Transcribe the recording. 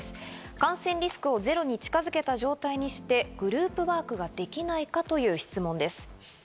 感染リスクをゼロに近づけた状態にしてグループワークができないか？という質問です。